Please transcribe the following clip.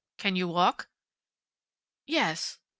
Can you walk?" "Yes."